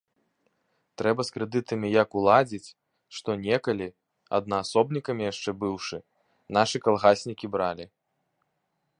Трэба з крэдытамі як уладзіць, што некалі, аднаасобнікамі яшчэ быўшы, нашы калгаснікі бралі.